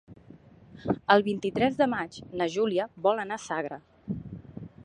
El vint-i-tres de maig na Júlia vol anar a Sagra.